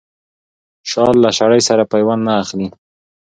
شال له شړۍ سره پيوند نه اخلي.